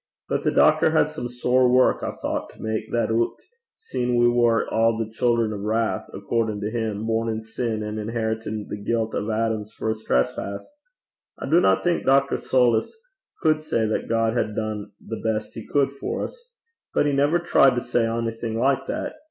But the doctor had some sair wark, I thoucht, to mak that oot, seein' we war a' the children o' wrath, accordin' to him, born in sin, and inheritin' the guilt o' Adam's first trespass. I dinna think Dr. Soulis cud say that God had dune the best he cud for 's. But he never tried to say onything like that.